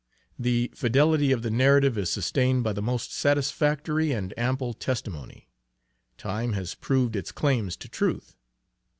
The fidelity of the narrative is sustained by the most satisfactory and ample testimony. Time has proved its claims to truth.